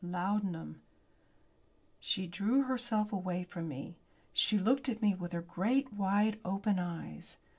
"Laudanum!" She drew herself away from me. She looked at me with her great wide open eyes.